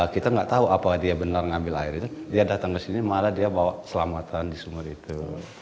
kita nggak tahu apakah dia benar mengambil air itu dia datang ke sini malah dia bawa selamatan di sumur itu